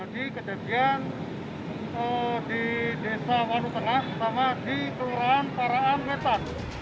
jadi kejadian di desa wanu tengah sama di keluran parakan kecematan